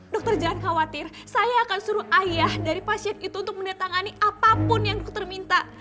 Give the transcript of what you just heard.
dokter jangan khawatir saya akan suruh ayah dari pasien itu untuk mendatangani apapun yang dokter minta